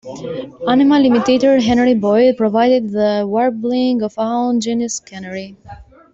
Animal imitator Henry Boyd provided the warbling of Aunt Jenny's canary.